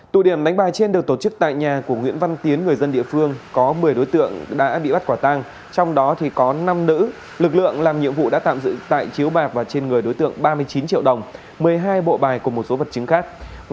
tụ điểm đánh bài trên được tổ chức tại nhà của nguyễn văn tiến người dân địa phương có một mươi đối tượng đã bị bắt quả tang trong đó có năm nữ lực lượng làm nhiệm vụ đã tạm giữ tại chiếu bạc và trên người đối tượng ba mươi chín triệu đồng một mươi hai bộ bài cùng một số vật chứng khác